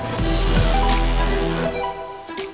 nah sekarang kita akan mencoba